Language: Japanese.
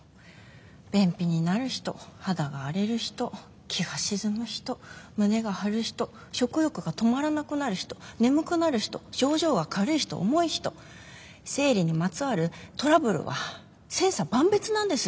便秘になる人肌が荒れる人気が沈む人胸が張る人食欲が止まらなくなる人眠くなる人症状が軽い人重い人生理にまつわるトラブルは千差万別なんです。